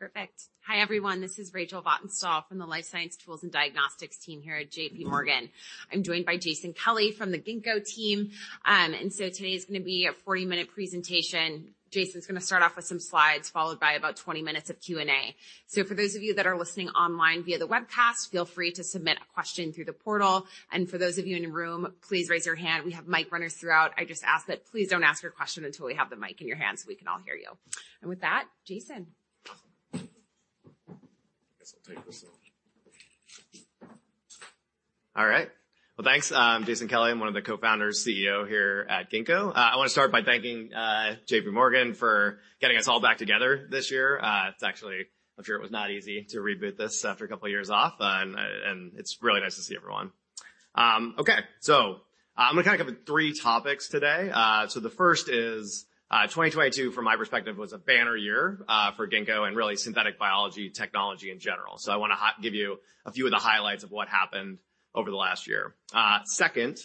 Perfect. Hi, everyone. This is Rachel Vatnsdal from the Life Science Tools and Diagnostics team here at JP Morgan. I'm joined by Jason Kelly from the Ginkgo team. Today is gonna be a 40-minute presentation. Jason's gonna start off with some slides, followed by about 20 minutes of Q&A. For those of you that are listening online via the webcast, feel free to submit a question through the portal. For those of you in the room, please raise your hand. We have mic runners throughout. I just ask that please don't ask your question until we have the mic in your hand, so we can all hear you. With that, Jason. I guess I'll take this off. All right. Well, thanks. I'm Jason Kelly. I'm one of the co-founders, CEO here at Ginkgo. I wanna start by thanking J.P. Morgan for getting us all back together this year. I'm sure it was not easy to reboot this after a couple of years off. And it's really nice to see everyone. Okay. I'm gonna kind of cover three topics today. The first is 2022, from my perspective, was a banner year for Ginkgo and really synthetic biology technology in general. I wanna give you a few of the highlights of what happened over the last year. Second,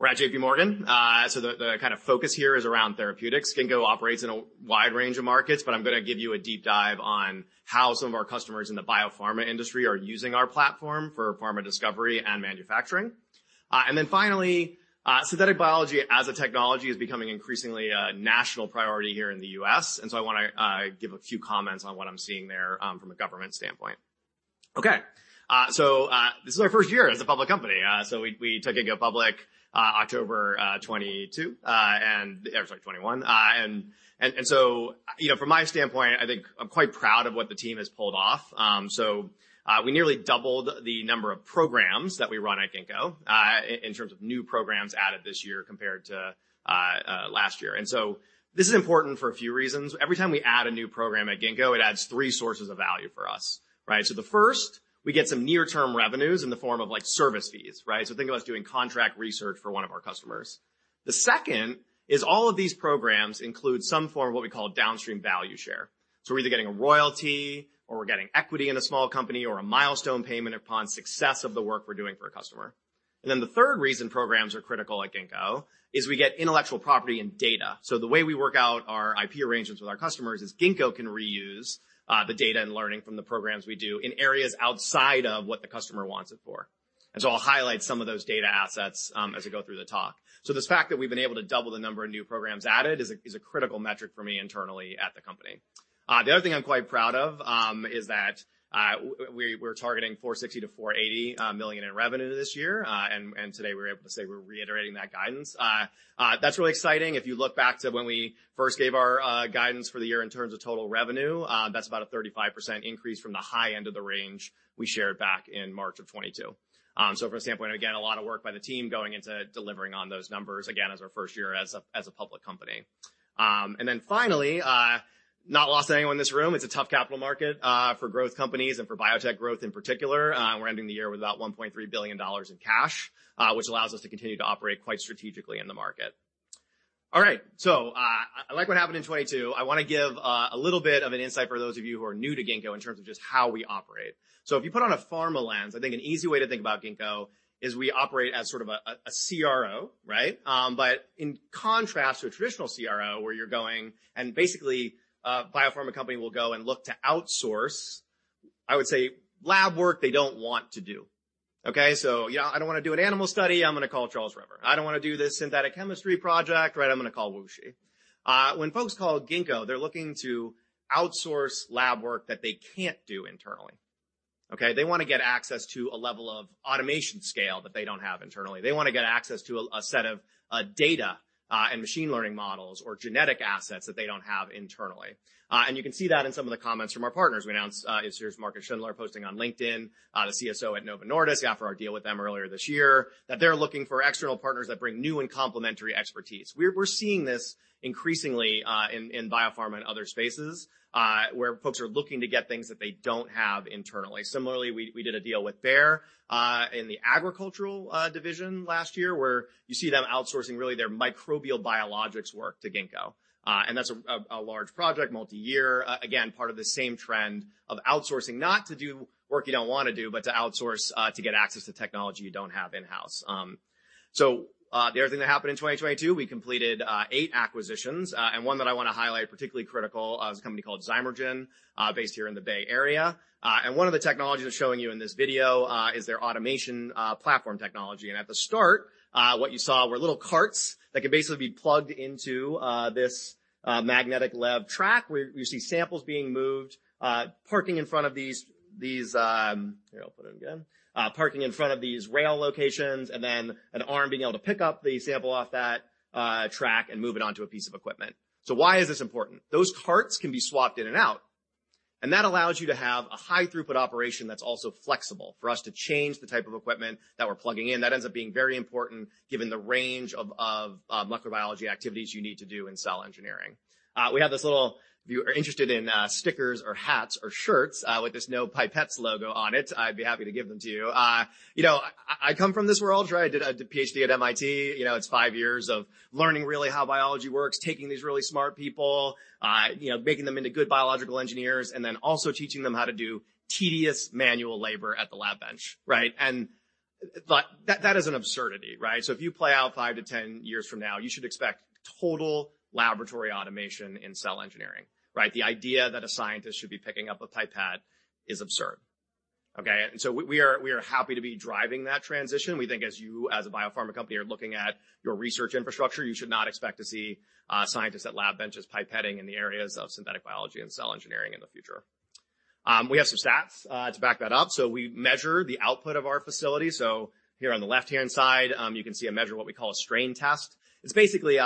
we're at J.P. Morgan. The kind of focus here is around therapeutics. Ginkgo operates in a wide range of markets, I'm gonna give you a deep dive on how some of our customers in the biopharma industry are using our platform for pharma discovery and manufacturing. Finally, synthetic biology as a technology is becoming increasingly a national priority here in the U.S. I wanna give a few comments on what I'm seeing there, from a government standpoint. Okay. This is our first year as a public company. We took Ginkgo public, October, 2022, or sorry, 2021. You know, from my standpoint, I think I'm quite proud of what the team has pulled off. We nearly doubled the number of programs that we run at Ginkgo in terms of new programs added this year compared to last year. This is important for a few reasons. Every time we add a new program at Ginkgo, it adds three sources of value for us, right? The first, we get some near term revenues in the form of, like, service fees, right? Think of us doing contract research for one of our customers. The second is all of these programs include some form of what we call downstream value share. We're either getting a royalty or we're getting equity in a small company or a milestone payment upon success of the work we're doing for a customer. The third reason programs are critical at Ginkgo is we get intellectual property and data. The way we work out our IP arrangements with our customers is Ginkgo can reuse the data and learning from the programs we do in areas outside of what the customer wants it for. I'll highlight some of those data assets as we go through the talk. This fact that we've been able to double the number of new programs added is a critical metric for me internally at the company. The other thing I'm quite proud of is that we're targeting $460 million-$480 million in revenue this year. Today we're able to say we're reiterating that guidance. That's really exciting. If you look back to when we first gave our guidance for the year in terms of total revenue, that's about a 35% increase from the high end of the range we shared back in March of 2022. From a standpoint, again, a lot of work by the team going into delivering on those numbers again as our first year as a public company. Finally, not lost on anyone in this room, it's a tough capital market for growth companies and for biotech growth in particular. We're ending the year with about $1.3 billion in cash, which allows us to continue to operate quite strategically in the market. All right, I like what happened in 2022. I wanna give a little bit of an insight for those of you who are new to Ginkgo in terms of just how we operate. If you put on a pharma lens, I think an easy way to think about Ginkgo is we operate as sort of a CRO, right? But in contrast to a traditional CRO where you're going and basically a biopharma company will go and look to outsource, I would say, lab work they don't want to do. You know, I don't wanna do an animal study, I'm gonna call Charles River. I don't wanna do this synthetic chemistry project, right, I'm gonna call WuXi. When folks call Ginkgo, they're looking to outsource lab work that they can't do internally. They wanna get access to a level of automation scale that they don't have internally. They wanna get access to a set of data and machine learning models or genetic assets that they don't have internally. You can see that in some of the comments from our partners. We announced, here's Marcus Schindler posting on LinkedIn, the CSO at Novo Nordisk after our deal with them earlier this year, that they're looking for external partners that bring new and complementary expertise. We're seeing this increasingly in biopharma and other spaces, where folks are looking to get things that they don't have internally. Similarly, we did a deal with Bayer in the agricultural division last year, where you see them outsourcing really their microbial biologics work to Ginkgo. That's a large project, multi-year. Again, part of the same trend of outsourcing not to do work you don't wanna do, but to outsource to get access to technology you don't have in-house. So, the other thing that happened in 2022, we completed 8 acquisitions. One that I wanna highlight, particularly critical, is a company called Zymergen, based here in the Bay Area. One of the technologies they're showing you in this video is their automation platform technology. At the start, what you saw were little carts that could basically be plugged into this magnetic lab track where you see samples being moved, parking in front of these. Here, I'll put it again. Parking in front of these rail locations, and then an arm being able to pick up the sample off that track and move it onto a piece of equipment. Why is this important? Those carts can be swapped in and out, and that allows you to have a high throughput operation that's also flexible for us to change the type of equipment that we're plugging in. That ends up being very important given the range of microbiology activities you need to do in cell engineering. We have this little... If you are interested in stickers or hats or shirts with this no pipettes logo on it, I'd be happy to give them to you. You know, I come from this world. I did a PhD at MIT. You know, it's five years of learning really how biology works, taking these really smart people, you know, making them into good biological engineers, and then also teaching them how to do tedious manual labor at the lab bench, right? That is an absurdity, right? If you play out five to 10 years from now, you should expect total laboratory automation in cell engineering, right? The idea that a scientist should be picking up a pipette is absurd, okay? We are happy to be driving that transition. We think as you as a biopharma company are looking at your research infrastructure, you should not expect to see scientists at lab benches pipetting in the areas of synthetic biology and cell engineering in the future. We have some stats to back that up. We measure the output of our facility. Here on the left-hand side, you can see a measure, what we call a strain test. It's basically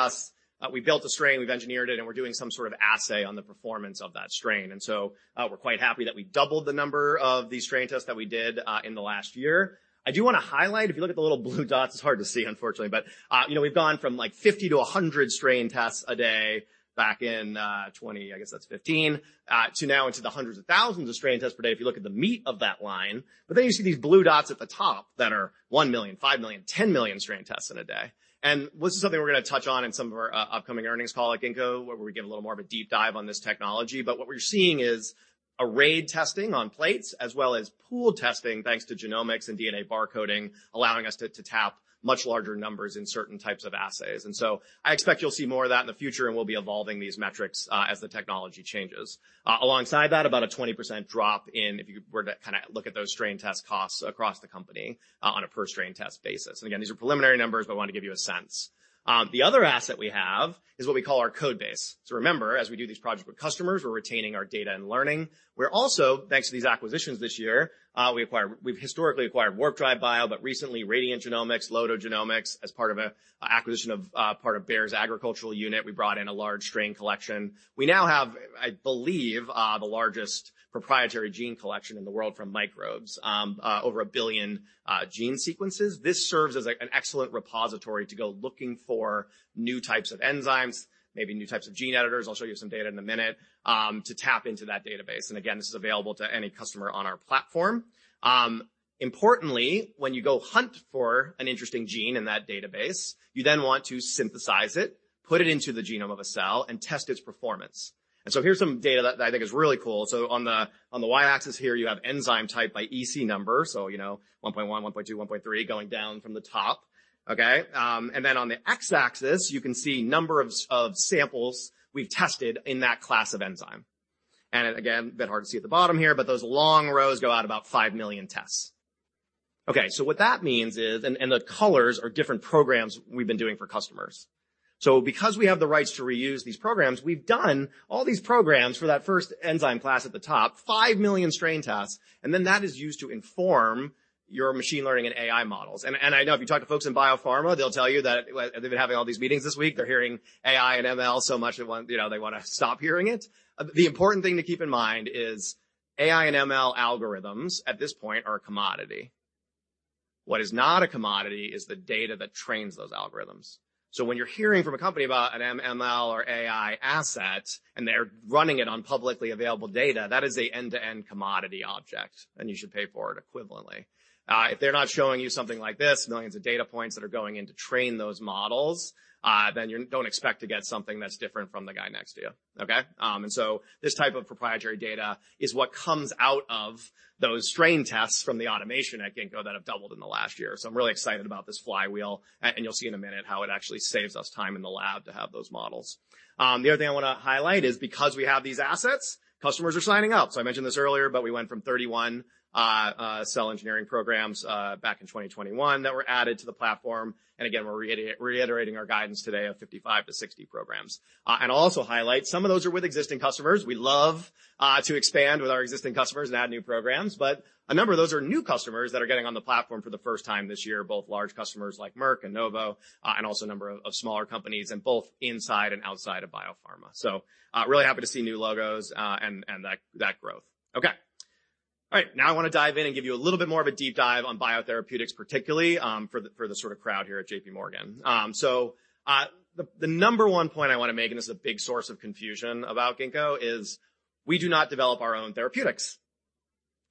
we built a strain, we've engineered it, and we're doing some sort of assay on the performance of that strain. We're quite happy that we doubled the number of these strain tests that we did in the last year. I do wanna highlight, if you look at the little blue dots, it's hard to see unfortunately, but, you know, we've gone from like 50 to 100 strain tests a day back in 2020, I guess that's 2015, to now into the hundreds of thousands of strain tests per day if you look at the meat of that line. You see these blue dots at the top that are $1 million, $5 million, $10 million strain tests in a day. This is something we're gonna touch on in some of our upcoming earnings call at Ginkgo, where we give a little more of a deep dive on this technology. What we're seeing is arrayed testing on plates as well as pool testing, thanks to genomics and DNA barcoding, allowing us to tap much larger numbers in certain types of assays. I expect you'll see more of that in the future, and we'll be evolving these metrics as the technology changes. Alongside that, about a 20% drop in if you were to kinda look at those strain test costs across the company on a per strain test basis. Again, these are preliminary numbers, but I want to give you a sense. The other asset we have is what we call our code base. Remember, as we do these projects with customers, we're retaining our data and learning. We're also, thanks to these acquisitions this year, we've historically acquired Warp Drive Bio, but recently Radiant Genomics, Loto Genomics as part of a acquisition of part of Bayer's agricultural unit. We brought in a large strain collection. We now have, I believe, the largest proprietary gene collection in the world from microbes, over 1 billion gene sequences. This serves as, like, an excellent repository to go looking for new types of enzymes, maybe new types of gene editors. I'll show you some data in a minute to tap into that database. Again, this is available to any customer on our platform. Importantly, when you go hunt for an interesting gene in that database, you then want to synthesize it, put it into the genome of a cell, and test its performance. Here's some data that I think is really cool. On the y-axis here, you have enzyme type by EC number. You know, 1.1.2, 1.3 going down from the top, okay? On the x-axis, you can see number of samples we've tested in that class of enzyme. Again, a bit hard to see at the bottom here, but those long rows go out about 5 million tests. What that means is, and the colors are different programs we've been doing for customers. Because we have the rights to reuse these programs, we've done all these programs for that first enzyme class at the top, five million strain tests, and then that is used to inform your machine learning and AI models. And I know if you talk to folks in biopharma, they'll tell that they've been having all these meetings this week. They're hearing AI and ML so much they want, you know, they wanna stop hearing it. The important thing to keep in mind is AI and ML algorithms at this point are a commodity. What is not a commodity is the data that trains those algorithms. When you're hearing from a company about an ML or AI asset, and they're running it on publicly available data, that is a end-to-end commodity object, and you should pay for it equivalently. If they're not showing you something like this, millions of data points that are going in to train those models, then you don't expect to get something that's different from the guy next to you, okay? This type of proprietary data is what comes out of those strain tests from the automation at Ginkgo that have doubled in the last year. I'm really excited about this flywheel, and you'll see in a minute how it actually saves us time in the lab to have those models. The other thing I wanna highlight is because we have these assets, customers are signing up. I mentioned this earlier, but we went from 31 cell engineering programs back in 2021 that were added to the platform. Again, we're reiterating our guidance today of 55-60 programs. I'll also highlight some of those are with existing customers. We love to expand with our existing customers and add new programs. A number of those are new customers that are getting on the platform for the first time this year, both large customers like Merck and Novo, and also a number of smaller companies and both inside and outside of biopharma. Really happy to see new logos, and that growth. Okay. All right, now I want to dive in and give you a little bit more of a deep dive on biotherapeutics, particularly, for the sort of crowd here at J.P. Morgan. The number one point I want to make, and this is a big source of confusion about Ginkgo, is we do not develop our own therapeutics,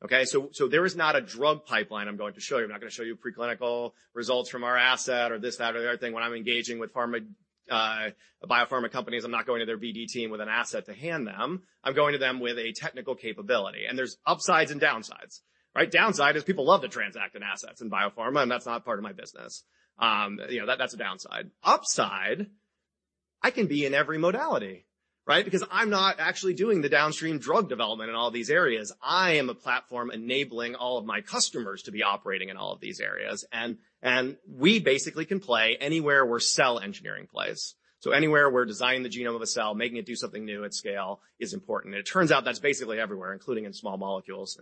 okay? There is not a drug pipeline I'm going to show you. I'm not going to show you preclinical results from our asset or this, that, or the other thing. When I'm engaging with biopharma companies, I'm not going to their BD team with an asset to hand them. I'm going to them with a technical capability, and there's upsides and downsides, right? Downside is people love to transact in assets in biopharma, and that's not part of my business. you know, that's a downside. Upside, I can be in every modality, right? Because I'm not actually doing the downstream drug development in all these areas. I am a platform enabling all of my customers to be operating in all of these areas, and we basically can play anywhere where cell engineering plays. Anywhere we're designing the genome of a cell, making it do something new at scale is important. It turns out that's basically everywhere, including in small molecules.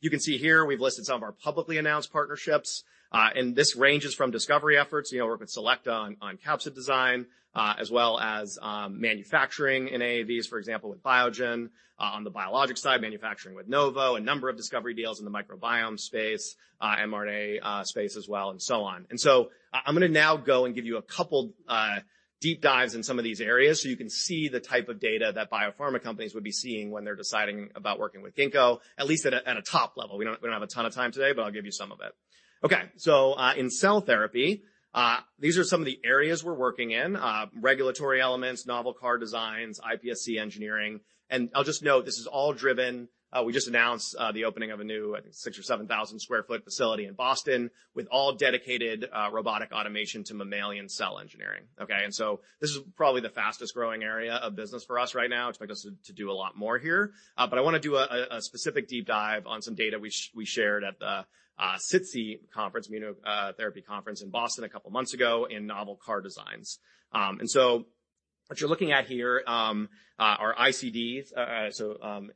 You can see here we've listed some of our publicly announced partnerships, and this ranges from discovery efforts. You know, work with Selecta on capsid design, as well as manufacturing in AAVs, for example, with Biogen, on the biologics side, manufacturing with Novo, a number of discovery deals in the microbiome space, mRNA space as well, and so on. I'm gonna now go and give you a couple Deep dives in some of these areas, so you can see the type of data that biopharma companies would be seeing when they're deciding about working with Ginkgo, at least at a top level. We don't have a ton of time today, but I'll give you some of it. In cell therapy, these are some of the areas we're working in, regulatory elements, novel CAR designs, iPSC engineering. I'll just note this is all driven. We just announced the opening of a new, I think, 6,000 or 7,000 sq ft facility in Boston with all dedicated robotic automation to mammalian cell engineering. This is probably the fastest-growing area of business for us right now. Expect us to do a lot more here. I wanna do a specific deep dive on some data we shared at the SITC conference, immuno therapy conference in Boston a couple months ago in novel CAR designs. What you're looking at here are ICDs, so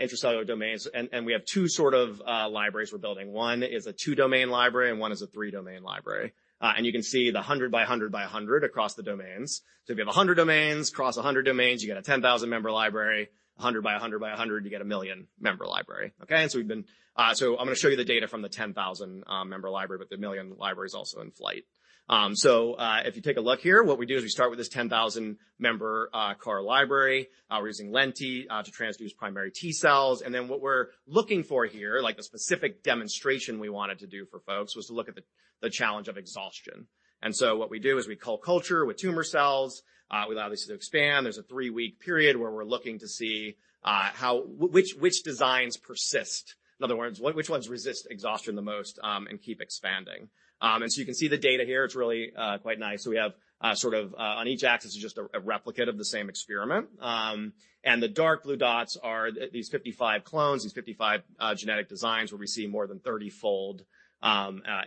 intracellular domains, and we have two sort of libraries we're building. One is a two-domain library, and one is a three-domain library. You can see the 100 by 100 by 100 across the domains. If you have 100 domains across 100 domains, you get a 10,000-member library, 100 by 100 by 100, you get a one million-member library. Okay. I'm gonna show you the data from the 10,000 member library, but the one million library is also in flight. If you take a look here, what we do is we start with this 10,000-member CAR library. We're using lenti to transduce primary T cells. What we're looking for here, like the specific demonstration we wanted to do for folks, was to look at the challenge of exhaustion. What we do is we co-culture with tumor cells, we allow these to expand. There's a three-week period where we're looking to see how which designs persist. In other words, which ones resist exhaustion the most and keep expanding. You can see the data here. It's really quite nice. We have sort of on each axis is just a replicate of the same experiment. The dark blue dots are these 55 clones, these 55 genetic designs where we see more than 30-fold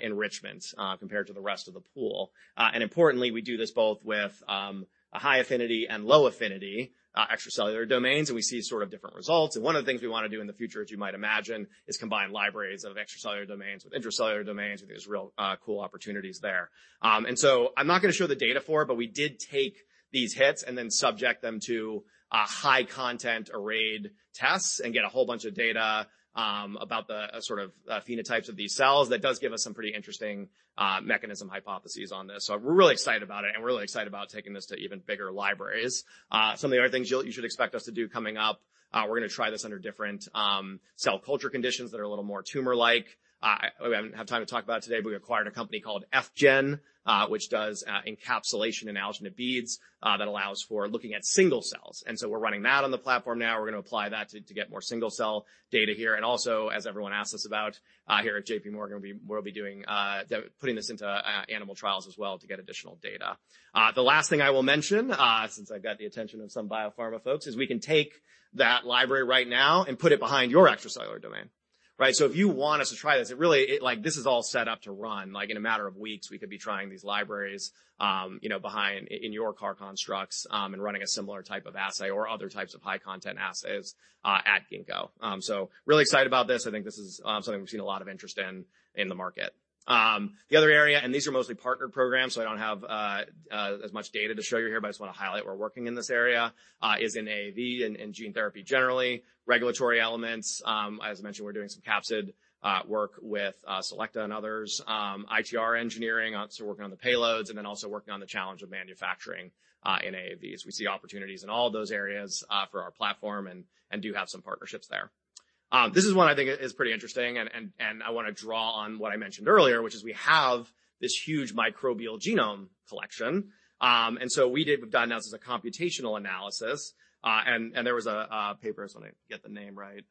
enrichment compared to the rest of the pool. Importantly, we do this both with a high affinity and low affinity extracellular domains, and we see sort of different results. One of the things we wanna do in the future, as you might imagine, is combine libraries of extracellular domains with intracellular domains. I think there's real cool opportunities there. I'm not gonna show the data for it, but we did take these hits and then subject them to high content arrayed tests and get a whole bunch of data about the sort of phenotypes of these cells. That does give us some pretty interesting mechanism hypotheses on this. We're really excited about it, and we're really excited about taking this to even bigger libraries. Some of the other things you should expect us to do coming up, we're gonna try this under different cell culture conditions that are a little more tumor-like. We haven't had time to talk about it today, but we acquired a company called F-Gen, which does encapsulation in alginate beads, that allows for looking at single cells. We're running that on the platform now. We're gonna apply that to get more single cell data here. As everyone asks us about here at J.P. Morgan, we'll be doing putting this into animal trials as well to get additional data. The last thing I will mention, since I've got the attention of some biopharma folks, is we can take that library right now and put it behind your extracellular domain, right? If you want us to try this is all set up to run. Like, in a matter of weeks, we could be trying these libraries, you know, behind in your CAR constructs, and running a similar type of assay or other types of high content assays at Ginkgo. Really excited about this. I think this is something we've seen a lot of interest in the market. The other area, and these are mostly partnered programs, so I don't have as much data to show you here, but I just wanna highlight we're working in this area is in AAV and gene therapy generally, regulatory elements. As I mentioned, we're doing some capsid work with Selecta and others, ITR engineering, also working on the payloads, and then also working on the challenge of manufacturing in AAVs. We see opportunities in all those areas for our platform and do have some partnerships there. This is one I think is pretty interesting and I wanna draw on what I mentioned earlier, which is we have this huge microbial genome collection. We've done now this as a computational analysis, and there was a paper, I just wanna get the name right,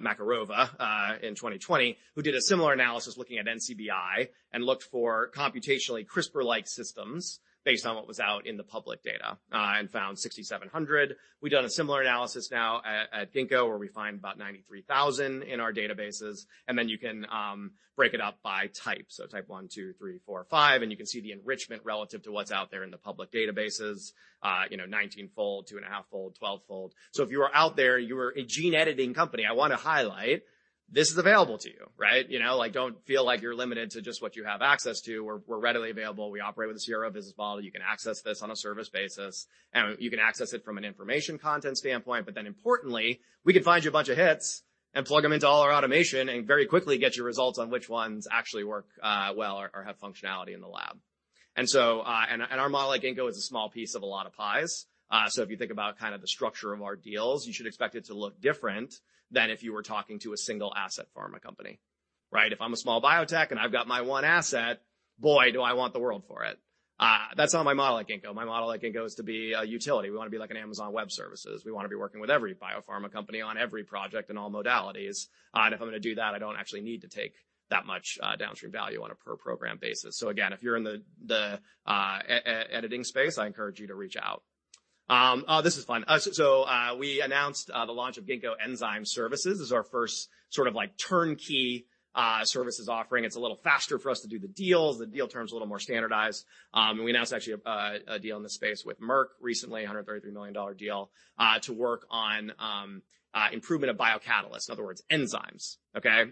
Makarova, in 2020, who did a similar analysis looking at NCBI and looked for computationally CRISPR-like systems based on what was out in the public data and found 6,700. We've done a similar analysis now at Ginkgo, where we find about 93,000 in our databases, and then you can break it up by type. Type 1, 2, 3, 4, 5, and you can see the enrichment relative to what's out there in the public databases, you know, 19-fold, 2.5-fold, 12-fold. If you are out there, you are a gene editing company, I wanna highlight this is available to you, right? You know, like, don't feel like you're limited to just what you have access to. We're readily available. We operate with a CRO business model. You can access this on a service basis, and you can access it from an information content standpoint. Importantly, we can find you a bunch of hits and plug them into all our automation and very quickly get you results on which ones actually work well or have functionality in the lab. Our model at Ginkgo is a small piece of a lot of pies. If you think about kind of the structure of our deals, you should expect it to look different than if you were talking to a single asset pharma company, right? If I'm a small biotech and I've got my one asset, boy, do I want the world for it. That's not my model at Ginkgo. My model at Ginkgo is to be a utility. We wanna be like an Amazon Web Services. We wanna be working with every biopharma company on every project in all modalities. If I'm gonna do that, I don't actually need to take that much downstream value on a per program basis. Again, if you're in the e-editing space, I encourage you to reach out. Oh, this is fun. We announced the launch of Ginkgo Enzyme Services. This is our first sort of like turnkey services offering. It's a little faster for us to do the deals. The deal terms are a little more standardized. We announced actually a deal in this space with Merck recently, a $133 million deal to work on improvement of biocatalysts, in other words, enzymes. Okay?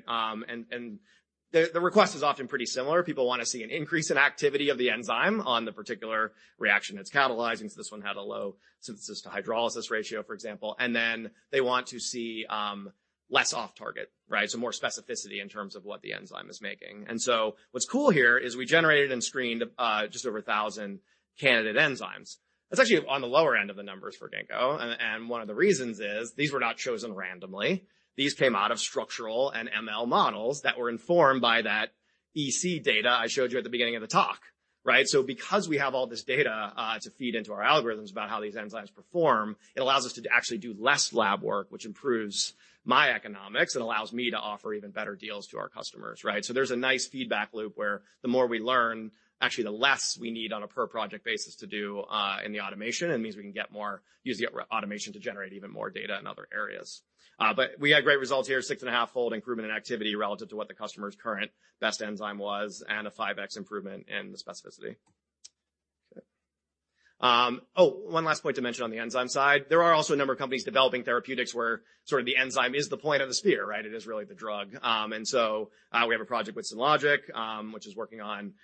The request is often pretty similar. People wanna see an increase in activity of the enzyme on the particular reaction it's catalyzing. This one had a low synthesis to hydrolysis ratio, for example. They want to see less off target, right? More specificity in terms of what the enzyme is making. What's cool here is we generated and screened just over 1,000 candidate enzymes. That's actually on the lower end of the numbers for Ginkgo. One of the reasons is these were not chosen randomly. These came out of structural and ML models that were informed by that EC data I showed you at the beginning of the talk, right? Because we have all this data to feed into our algorithms about how these enzymes perform, it allows us to actually do less lab work, which improves my economics and allows me to offer even better deals to our customers, right? There's a nice feedback loop where the more we learn, actually the less we need on a per project basis to do in the automation, and it means we can use the automation to generate even more data in other areas. We had great results here, six and a half fold improvement in activity relative to what the customer's current best enzyme was, and a 5x improvement in the specificity. Oh, one last point to mention on the enzyme side, there are also a number of companies developing therapeutics where sort of the enzyme is the point of the spear, right? It is really the drug. We have a project with Synlogic, which is working on,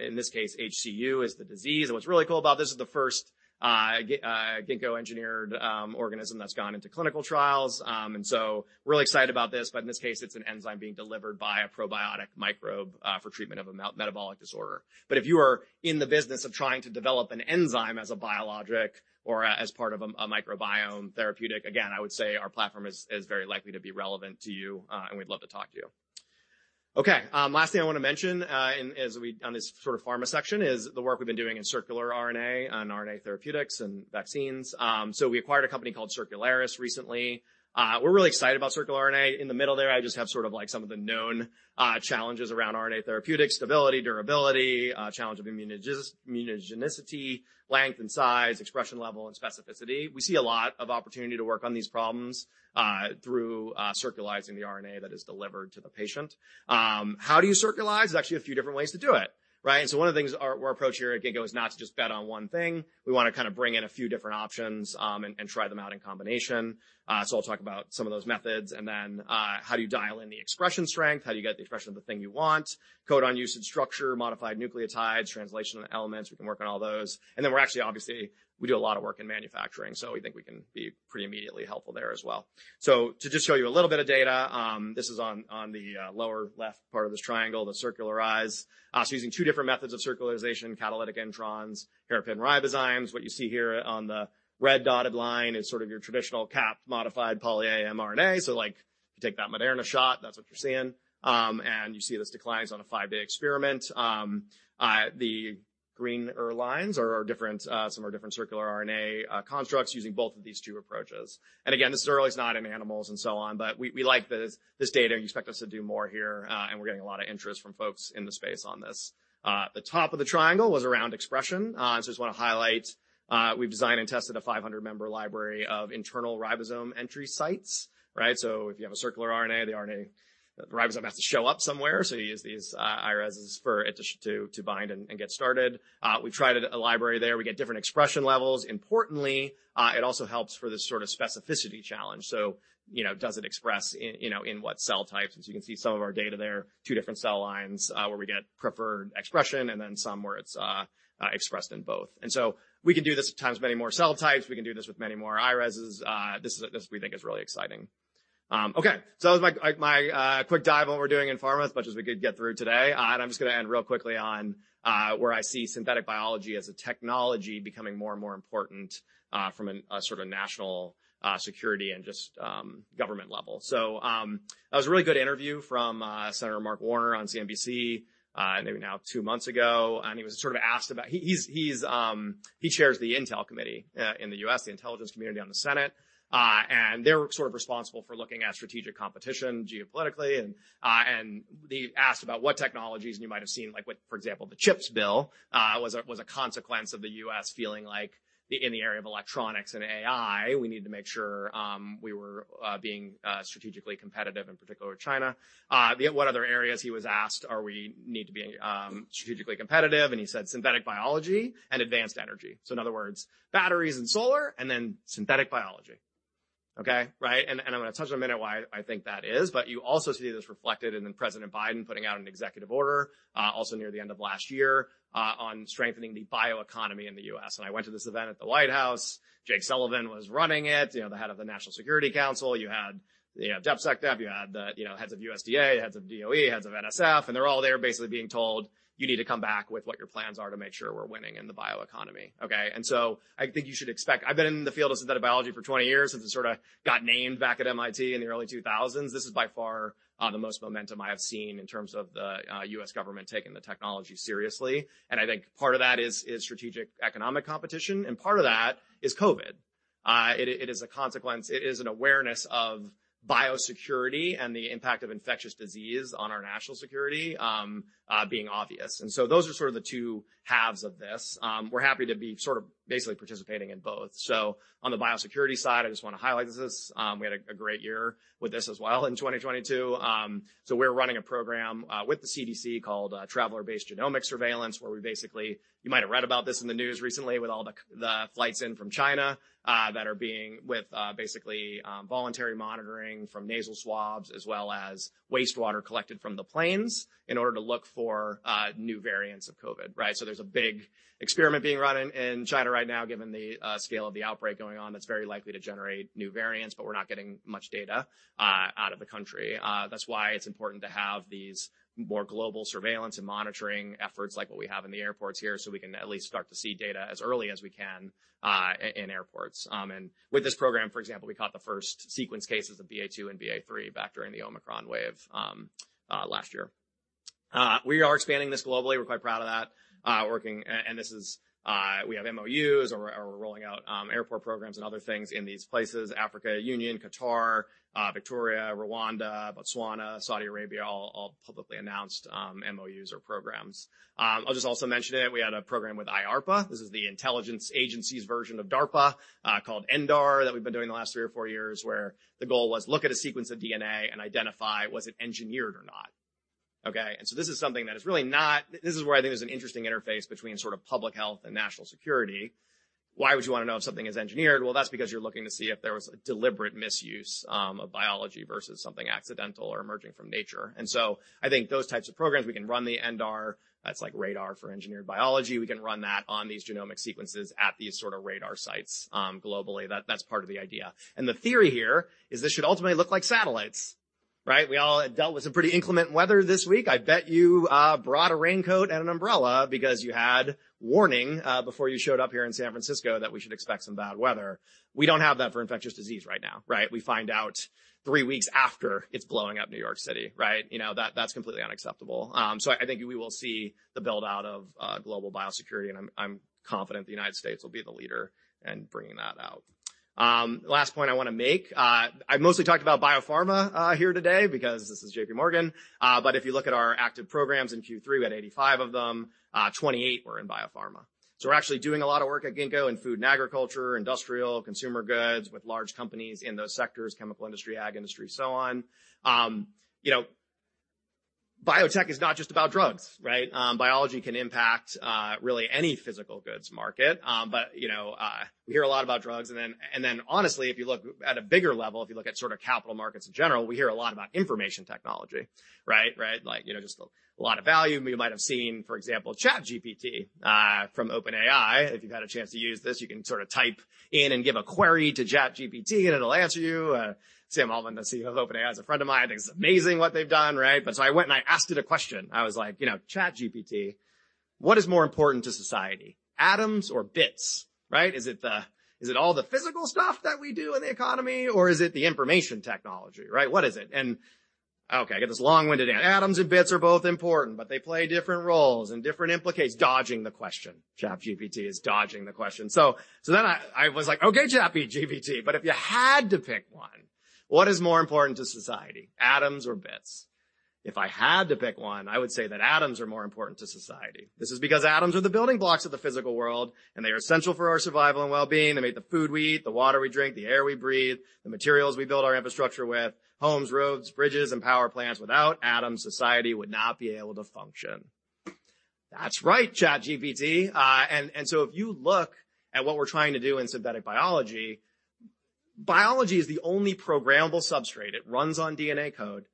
in this case, HCU is the disease. What's really cool about this is the first Ginkgo engineered organism that's gone into clinical trials. We're really excited about this, but in this case, it's an enzyme being delivered by a probiotic microbe for treatment of a metabolic disorder. If you are in the business of trying to develop an enzyme as a biologic or as part of a microbiome therapeutic, again, I would say our platform is very likely to be relevant to you, and we'd love to talk to you. Okay, last thing I wanna mention on this sort of pharma section is the work we've been doing in circular RNA on RNA therapeutics and vaccines. We acquired a company called Circulars recently. We're really excited about circular RNA. In the middle there, I just have sort of like some of the known challenges around RNA therapeutic, stability, durability, challenge of immunogenicity, length and size, expression level, and specificity. We see a lot of opportunity to work on these problems through circularizing the RNA that is delivered to the patient. How do you circularize? There's actually a few different ways to do it, right? One of the things our approach here at Ginkgo is not to just bet on one thing. We wanna kinda bring in a few different options and try them out in combination. I'll talk about some of those methods and then, how do you dial in the expression strength, how do you get the expression of the thing you want, codon usage structure, modified nucleotides, translational elements, we can work on all those. We're actually, obviously, we do a lot of work in manufacturing, so we think we can be pretty immediately helpful there as well. To just show you a little bit of data, this is on the lower left part of this triangle, the Circulars, using two different methods of circularization, catalytic introns, hairpin ribozymes. What you see here on the red dotted line is sort of your traditional capped, modified poly mRNA. Like, if you take that Moderna shot, that's what you're seeing. You see this declines on a five-day experiment. The greener lines are different, some are different circular RNA constructs using both of these two approaches. Again, this is early. It's not in animals and so on, but we like this data, and you expect us to do more here, and we're getting a lot of interest from folks in the space on this. The top of the triangle was around expression. I just wanna highlight, we've designed and tested a 500-member library of internal ribosome entry sites, right? If you have a circular RNA, the RNA, the ribosome has to show up somewhere. You use these IRESs for it to bind and get started. We've tried a library there. We get different expression levels. Importantly, it also helps for this sort of specificity challenge. You know, does it express in, you know, in what cell types? As you can see some of our data there, two different cell lines, where we get preferred expression and then some where it's expressed in both. We can do this times many more cell types. We can do this with many more IRESs. This we think is really exciting. Okay. That was my, like my, quick dive on what we're doing in pharma as much as we could get through today. I'm just gonna end real quickly on where I see synthetic biology as a technology becoming more and more important from a sort of national security and just government level. That was a really good interview from Senator Mark Warner on CNBC, maybe now two months ago. He was sort of asked about. He chairs the intel committee in the U.S., the intelligence community on the Senate. They're sort of responsible for looking at strategic competition geopolitically, and they asked about what technologies. You might have seen, like with, for example, the CHIPS bill was a consequence of the U.S. feeling like in the area of electronics and AI, we need to make sure we were being strategically competitive, in particular with China. Yet what other areas he was asked are we need to be strategically competitive, and he said synthetic biology and advanced energy. In other words, batteries and solar, and then synthetic biology. Okay, right? I'm gonna touch in a minute why I think that is. You also see this reflected in President Biden putting out an Executive Order, also near the end of last year, on strengthening the bioeconomy in the U.S. I went to this event at the White House. Jake Sullivan was running it, you know, the head of the National Security Council. You had, you know, the DepSecDef, you had the, you know, heads of USDA, heads of DOE, heads of NSF, they're all there basically being told, "You need to come back with what your plans are to make sure we're winning in the bioeconomy." Okay? I think you should expect... I've been in the field of synthetic biology for 20 years, since it sorta got named back at MIT in the early 2000s. This is by far, the most momentum I have seen in terms of the U.S. government taking the technology seriously. I think part of that is strategic economic competition, and part of that is COVID. It is a consequence. It is an awareness of biosecurity and the impact of infectious disease on our national security, being obvious. Those are sort of the two halves of this. We're happy to be sort of basically participating in both. On the biosecurity side, I just wanna highlight this. We had a great year with this as well in 2022. We're running a program with the CDC called Traveler-based Genomic Surveillance, where we basically you might have read about this in the news recently with all the flights in from China, that are being with basically voluntary monitoring from nasal swabs as well as wastewater collected from the planes in order to look for new variants of COVID, right? There's a big experiment being run in China right now, given the scale of the outbreak going on, that's very likely to generate new variants, but we're not getting much data out of the country. That's why it's important to have these more global surveillance and monitoring efforts like what we have in the airports here, so we can at least start to see data as early as we can in airports. With this program, for example, we caught the first sequence cases of BA.2 and BA.3 back during the Omicron wave last year. We are expanding this globally. We're quite proud of that, and this is, we have MOUs or we're rolling out airport programs and other things in these places. African Union, Qatar, Victoria, Rwanda, Botswana, Saudi Arabia, all publicly announced MOUs or programs. I'll just also mention it. We had a program with IARPA. This is the intelligence agency's version of DARPA, called ENDAR that we've been doing the last 3 or 4 years, where the goal was look at a sequence of DNA and identify was it engineered or not? This is something that is really not. This is where I think there's an interesting interface between sort of public health and national security. Why would you want to know if something is engineered? Well, that's because you're looking to see if there was a deliberate misuse of biology versus something accidental or emerging from nature. I think those types of programs, we can run the ENDAR. That's like radar for engineered biology. We can run that on these genomic sequences at these sort of radar sites globally. That's part of the idea. The theory here is this should ultimately look like satellites, right? We all dealt with some pretty inclement weather this week. I bet you brought a raincoat and an umbrella because you had warning before you showed up here in San Francisco that we should expect some bad weather. We don't have that for infectious disease right now, right? We find out three weeks after it's blowing up New York City, right? You know, that's completely unacceptable. I think we will see the build-out of global biosecurity, and I'm confident the United States will be the leader in bringing that out. Last point I want to make, I've mostly talked about biopharma here today because this is J.P. Morgan. If you look at our active programs in Q3, we had 85 of them. 28 were in biopharma. We're actually doing a lot of work at Ginkgo in food and agriculture, industrial, consumer goods with large companies in those sectors, chemical industry, ag industry, so on. You know, biotech is not just about drugs, right? Biology can impact really any physical goods market. You know, we hear a lot about drugs. Honestly, if you look at a bigger level, if you look at sort of capital markets in general, we hear a lot about information technology, right? Right. Like, you know, just a lot of value. You might have seen, for example, ChatGPT from OpenAI. If you've had a chance to use this, you can sort of type in and give a query to ChatGPT, and it'll answer you. Sam Altman, the CEO of OpenAI, is a friend of mine. I think it's amazing what they've done, right? I went and I asked it a question. I was like, you know, "ChatGPT, what is more important to society, atoms or bits?" Right? Is it all the physical stuff that we do in the economy, or is it the information technology? Right? What is it? Okay, I get this long-winded answer. Atoms and bits are both important, but they play different roles and different implica--. Dodging the question. ChatGPT is dodging the question. I was like, "Okay, ChatGPT, but if you had to pick one, what is more important to society, atoms or bits?" If I had to pick one, I would say that atoms are more important to society. This is because atoms are the building blocks of the physical world, and they are essential for our survival and well-being. They make the food we eat, the water we drink, the air we breathe, the materials we build our infrastructure with, homes, roads, bridges, and power plants. Without atoms, society would not be able to function. That's right, ChatGPT. If you look at what we're trying to do in synthetic biology is the only programmable substrate. It runs on DNA code.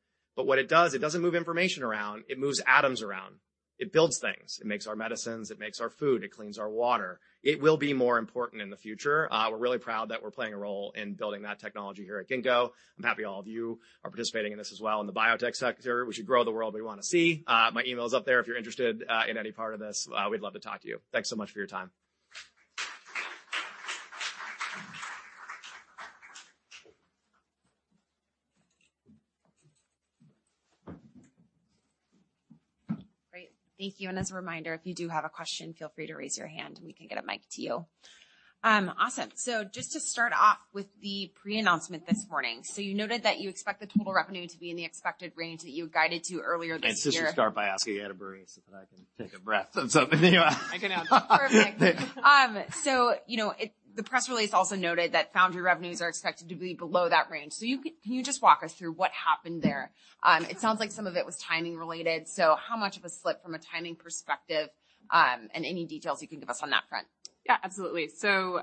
What it does, it doesn't move information around. It moves atoms around. It builds things. It makes our medicines, it makes our food, it cleans our water. It will be more important in the future. We're really proud that we're playing a role in building that technology here at Ginkgo. I'm happy all of you are participating in this as well. In the biotech sector, we should grow the world we want to see. My email is up there. If you're interested, in any part of this, we'd love to talk to you. Thanks so much for your time. Great. Thank you. As a reminder, if you do have a question, feel free to raise your hand, and we can get a mic to you. Awesome. Just to start off with the pre-announcement this morning. You noted that you expect the total revenue to be in the expected range that you guided to earlier this year. Since you start by asking, you had a brewery so that I can take a breath of something. Perfect. You know, the press release also noted that foundry revenues are expected to be below that range. Can you just walk us through what happened there? It sounds like some of it was timing related, so how much of a slip from a timing perspective, and any details you can give us on that front? Yeah, absolutely.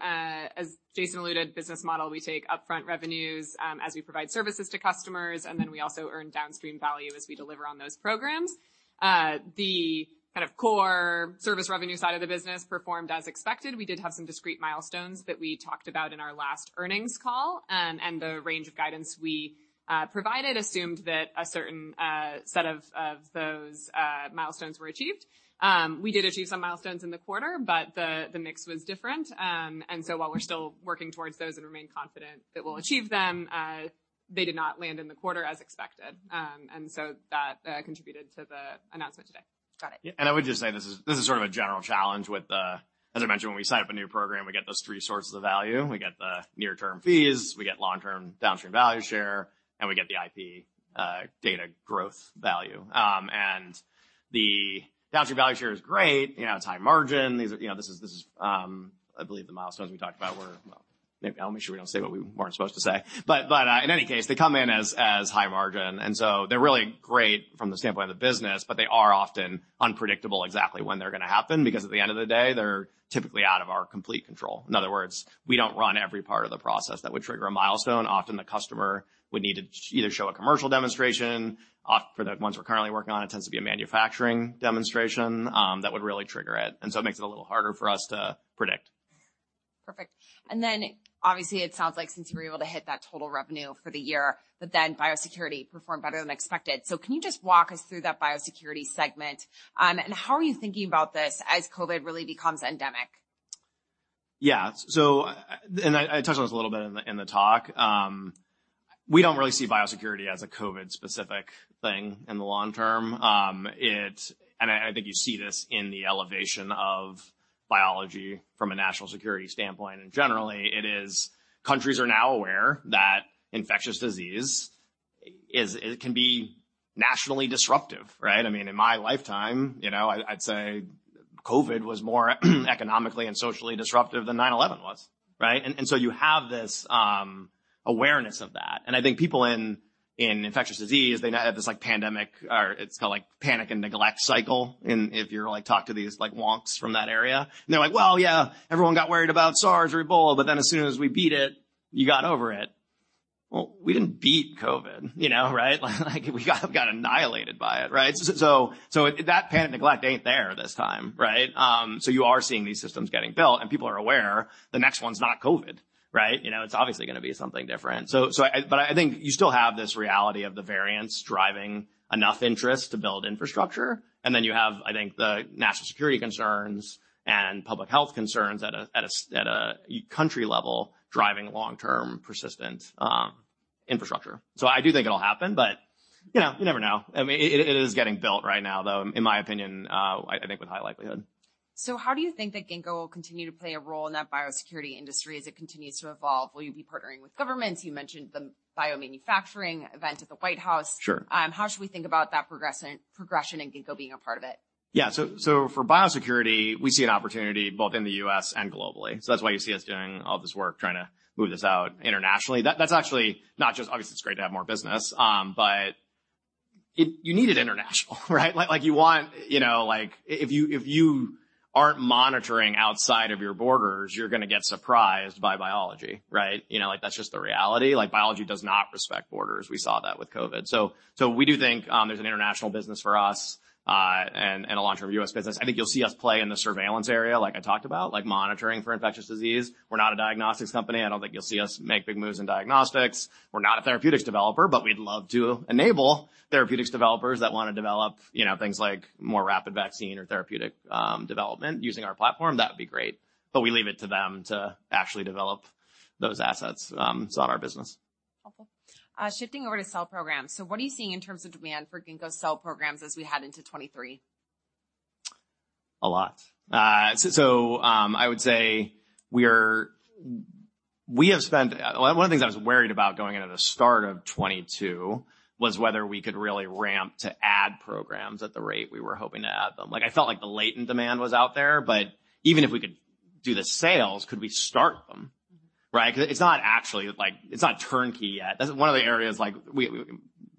As Jason alluded, business model, we take upfront revenues, as we provide services to customers, and then we also earn downstream value as we deliver on those programs. The kind of core service revenue side of the business performed as expected. We did have some discrete milestones that we talked about in our last earnings call, and the range of guidance we provided assumed that a certain set of those milestones were achieved. We did achieve some milestones in the quarter, but the mix was different. While we're still working towards those and remain confident that we'll achieve them, they did not land in the quarter as expected. That contributed to the announcement today. Got it. Yeah. I would just say this is sort of a general challenge with the. As I mentioned, when we sign up a new program, we get those three sources of value. We get the near-term fees, we get long-term downstream value share, and we get the IP data growth value. The downstream value share is great. You know, it's high margin. These are, you know, this is, I believe the milestones we talked about were. Well, maybe I'll make sure we don't say what we weren't supposed to say. In any case, they come in as high margin, and so they're really great from the standpoint of the business, but they are often unpredictable exactly when they're going to happen, because at the end of the day, they're typically out of our complete control. In other words, we don't run every part of the process that would trigger a milestone. Often, the customer would need to either show a commercial demonstration. For the ones we're currently working on, it tends to be a manufacturing demonstration, that would really trigger it. It makes it a little harder for us to predict. Perfect. Obviously, it sounds like since you were able to hit that total revenue for the year, biosecurity performed better than expected. Can you just walk us through that biosecurity segment? How are you thinking about this as COVID really becomes endemic? Yeah. I touched on this a little bit in the talk. We don't really see biosecurity as a COVID-specific thing in the long term. I think you see this in the elevation of biology from a national security standpoint. Generally, it is countries are now aware that infectious disease is it can be nationally disruptive, right? I mean, in my lifetime, you know, I'd say COVID was more economically and socially disruptive than 9/11 was, right? You have this awareness of that. I think people in infectious disease, they now have this like pandemic or it's called like panic and neglect cycle. If you like talk to these like wonks from that area, and they're like, "Well, yeah, everyone got worried about SARS or Ebola, but then as soon as we beat it, you got over it." Well, we didn't beat COVID, you know, right? Like we got annihilated by it, right? That panic neglect ain't there this time, right? You are seeing these systems getting built, and people are aware the next one's not COVID, right? You know, it's obviously gonna be something different. I think you still have this reality of the variants driving enough interest to build infrastructure. Then you have, I think, the national security concerns and public health concerns at a, at a, at a country level driving long-term persistent infrastructure. I do think it'll happen, but, you know, you never know. I mean, it is getting built right now, though, in my opinion, I think with high likelihood. How do you think that Ginkgo will continue to play a role in that biosecurity industry as it continues to evolve? Will you be partnering with governments? You mentioned the biomanufacturing event at the White House. Sure. How should we think about that progression, and Ginkgo being a part of it? Yeah. For biosecurity, we see an opportunity both in the US and globally. That's why you see us doing all this work, trying to move this out internationally. That's actually obviously, it's great to have more business, but you need it international, right? Like you want, you know. Like, if you aren't monitoring outside of your borders, you're gonna get surprised by biology, right? You know, like, that's just the reality. Like, biology does not respect borders. We saw that with COVID. We do think there's an international business for us, and a long-term US business. I think you'll see us play in the surveillance area, like I talked about, like monitoring for infectious disease. We're not a diagnostics company. I don't think you'll see us make big moves in diagnostics. We're not a therapeutics developer, but we'd love to enable therapeutics developers that wanna develop, you know, things like more rapid vaccine or therapeutic development using our platform. That would be great. We leave it to them to actually develop those assets. It's not our business. Helpful. Shifting over to cell programs. What are you seeing in terms of demand for Ginkgo cell programs as we head into 2023? A lot. One of the things I was worried about going into the start of 22 was whether we could really ramp to add programs at the rate we were hoping to add them. Like, I felt like the latent demand was out there, but even if we could do the sales, could we start them, right? 'Cause it's not actually turnkey yet. That's one of the areas like we,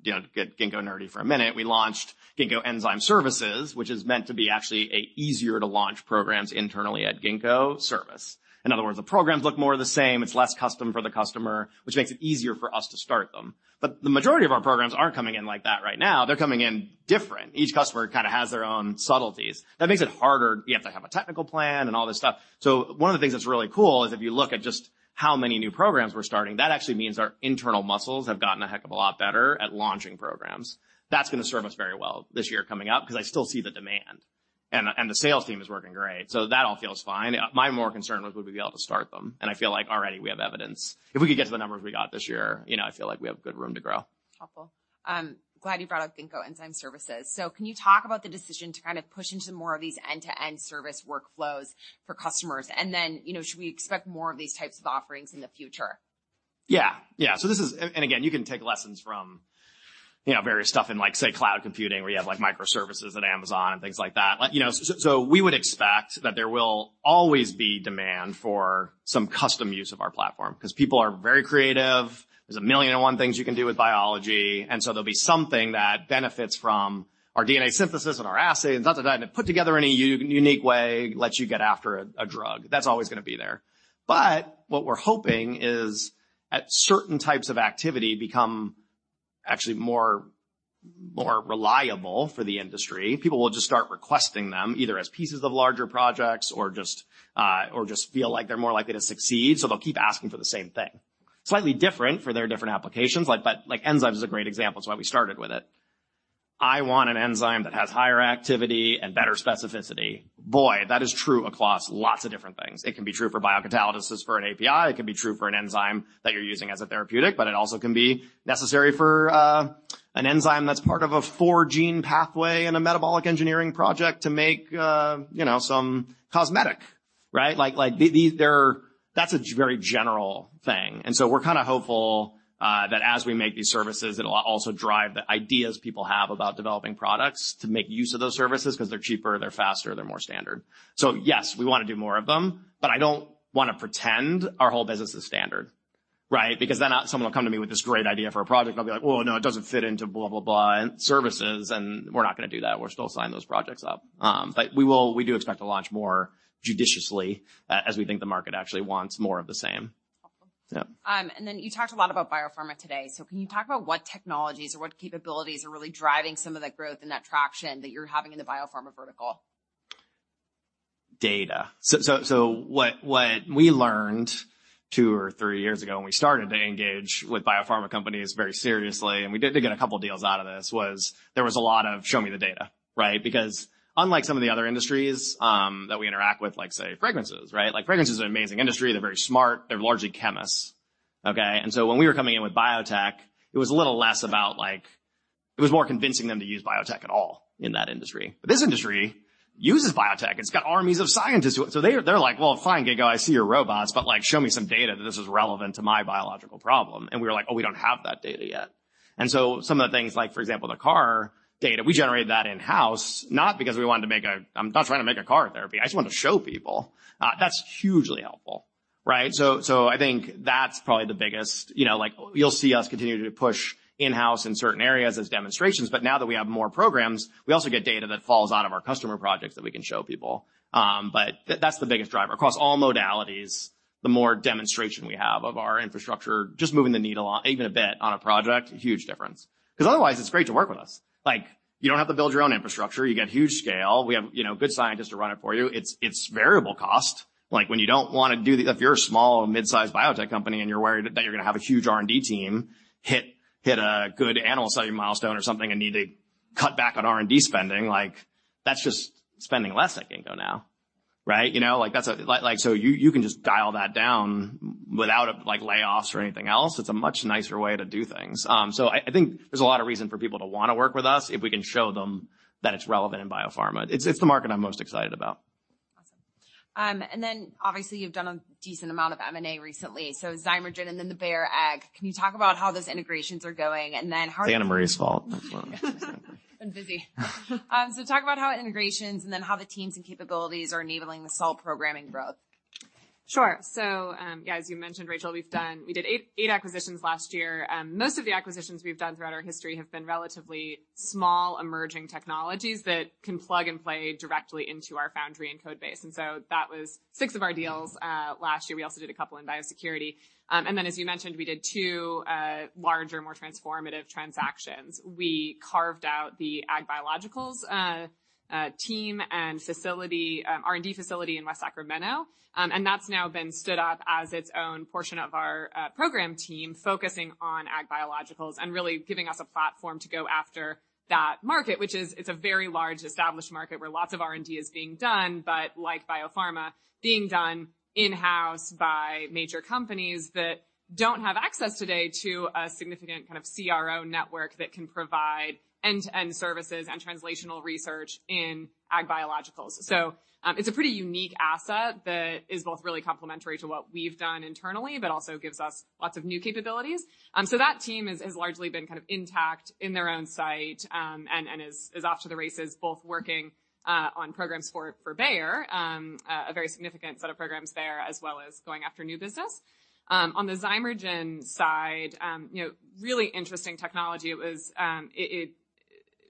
you know, get Ginkgo nerdy for a minute. We launched Ginkgo Enzyme Services, which is meant to be actually a easier to launch programs internally at Ginkgo service. In other words, the programs look more the same. It's less custom for the customer, which makes it easier for us to start them. The majority of our programs aren't coming in like that right now. They're coming in different. Each customer kinda has their own subtleties. That makes it harder. You have to have a technical plan and all this stuff. One of the things that's really cool is if you look at just how many new programs we're starting, that actually means our internal muscles have gotten a heck of a lot better at launching programs. That's gonna serve us very well this year coming up 'cause I still see the demand, and the sales team is working great. That all feels fine. My more concern was would we be able to start them. I feel like already we have evidence. If we could get to the numbers we got this year, you know, I feel like we have good room to grow. Helpful. Glad you brought up Ginkgo Enzyme Services. Can you talk about the decision to kind of push into more of these end-to-end service workflows for customers? You know, should we expect more of these types of offerings in the future? This is. Again, you can take lessons from, you know, various stuff in like, say, cloud computing, where you have like microservices at Amazon and things like that. You know, so we would expect that there will always be demand for some custom use of our platform because people are very creative. There's a million and one things you can do with biology. There'll be something that benefits from our DNA synthesis and our acids, da, da, and put together in a unique way, lets you get after a drug. That's always going to be there. What we're hoping is as certain types of activity become actually more reliable for the industry, people will just start requesting them either as pieces of larger projects or just feel like they're more likely to succeed, so they'll keep asking for the same thing. Slightly different for their different applications. Enzymes is a great example. It's why we started with it. I want an enzyme that has higher activity and better specificity. Boy, that is true across lots of different things. It can be true for biocatalysis for an API. It can be true for an enzyme that you're using as a therapeutic, but it also can be necessary for an enzyme that's part of a four-gene pathway in a metabolic engineering project to make, you know, some cosmetic, right? Like, that's a very general thing. We're kinda hopeful that as we make these services, it'll also drive the ideas people have about developing products to make use of those services 'cause they're cheaper, they're faster, they're more standard. Yes, we wanna do more of them, but I don't wanna pretend our whole business is standard, right? Someone will come to me with this great idea for a project, and I'll be like, "Well, no, it doesn't fit into blah, blah services," and we're not gonna do that. We'll still sign those projects up. We do expect to launch more judiciously as we think the market actually wants more of the same. Helpful. Yeah. You talked a lot about biopharma today. Can you talk about what technologies or what capabilities are really driving some of the growth and that traction that you're having in the biopharma vertical? Data. What we learned two or three years ago when we started to engage with biopharma companies very seriously, and we did get a couple of deals out of this, was there was a lot of show me the data, right? Unlike some of the other industries, that we interact with, like say fragrances, right? Like fragrances are an amazing industry. They're very smart. They're largely chemists, okay? When we were coming in with biotech, it was a little less about it was more convincing them to use biotech at all in that industry. This industry uses biotech. It's got armies of scientists who so they're like, "Well, fine, Ginkgo, I see your robots, but like show me some data that this is relevant to my biological problem." We were like, "Oh, we don't have that data yet." Some of the things like for example, the CAR data, we generated that in-house, not because we wanted to make a CAR therapy. I just want to show people, that's hugely helpful, right? I think that's probably the biggest, you know, like you'll see us continue to push in-house in certain areas as demonstrations, but now that we have more programs, we also get data that falls out of our customer projects that we can show people. That's the biggest driver. Across all modalities, the more demonstration we have of our infrastructure, just moving the needle on even a bit on a project, huge difference. 'Cause otherwise it's great to work with us. Like, you don't have to build your own infrastructure. You get huge scale. We have, you know, good scientists to run it for you. It's, it's variable cost. Like when you don't wanna if you're a small or mid-sized biotech company, and you're worried that you're gonna have a huge R&D team hit a good animal study milestone or something and need to cut back on R&D spending, like that's just spending less at Ginkgo now, right? You know, like so you can just dial that down without like layoffs or anything else. It's a much nicer way to do things. I think there's a lot of reason for people to want to work with us if we can show them that it's relevant in biopharma. It's the market I'm most excited about. Awesome. Obviously you've done a decent amount of M&A recently, Zymergen and the Bayer Ag. Can you talk about how those integrations are going? It's Anna Marie's fault. That's what I'm busy. Talk about how integrations and then how the teams and capabilities are enabling the cell programming growth. Sure. Yeah, as you mentioned, Rachel, we did eight acquisitions last year. Most of the acquisitions we've done throughout our history have been relatively small, emerging technologies that can plug and play directly into our foundry and code base. That was six of our deals last year. We also did a couple in biosecurity. As you mentioned, we did two larger, more transformative transactions. We carved out the Ag Biologicals team and facility, R&D facility in West Sacramento. That's now been stood up as its own portion of our program team, focusing on Ag Biologicals and really giving us a platform to go after that market, which is, it's a very large established market where lots of R&D is being done, but like biopharma, being done in-house by major companies that don't have access today to a significant kind of CRO network that can provide end-to-end services and translational research in Ag Biologicals. It's a pretty unique asset that is both really complementary to what we've done internally, but also gives us lots of new capabilities. That team has largely been kind of intact in their own site, and is off to the races, both working on programs for Bayer, a very significant set of programs there, as well as going after new business. On the Zymergen side, you know, really interesting technology. It was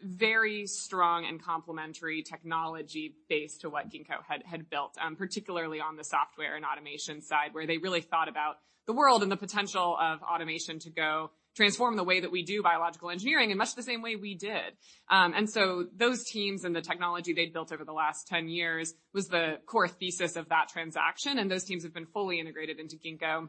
very strong and complementary technology base to what Ginkgo had built, particularly on the software and automation side, where they really thought about the world and the potential of automation to go transform the way that we do biological engineering in much the same way we did. Those teams and the technology they'd built over the last 10 years was the core thesis of that transaction, and those teams have been fully integrated into Ginkgo.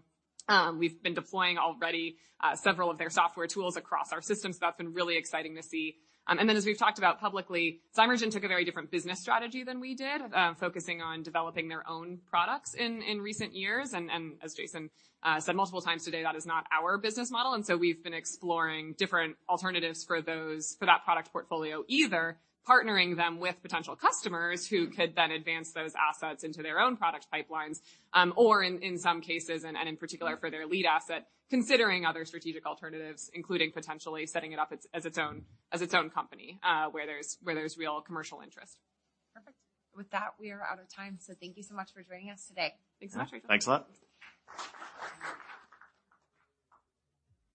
We've been deploying already, several of their software tools across our systems. That's been really exciting to see. As we've talked about publicly, Zymergen took a very different business strategy than we did, focusing on developing their own products in recent years. As Jason said multiple times today, that is not our business model, and so we've been exploring different alternatives for that product portfolio, either partnering them with potential customers who could then advance those assets into their own product pipelines, or in some cases, and in particular for their lead asset, considering other strategic alternatives, including potentially setting it up as its own, as its own company, where there's real commercial interest. Perfect. With that, we are out of time, so thank you so much for joining us today. Thanks so much, Rachel. Thanks a lot.